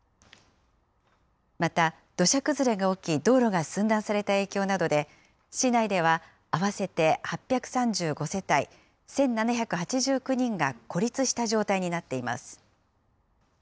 また、土砂崩れが起き、道路が寸断された影響などで、市内では合わせて８３５世帯１７８９人が孤立した状態になっています。